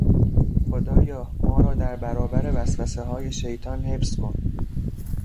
خدایا ما را در برابر وسوسههای شیطان حفظ کن!